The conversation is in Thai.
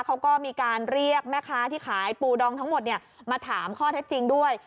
เขาก็มีการเรียกแม่ค้าที่ขายปูดองทั้งหมดมาถามข้อเท็จจริงด้วย